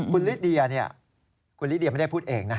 คุณลิเดียเนี่ยคุณลิเดียไม่ได้พูดเองนะ